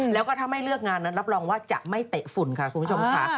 แล้วก็ถ้าไม่เลือกงานนั้นรับรองว่าจะไม่เตะฝุ่นค่ะคุณผู้ชมค่ะ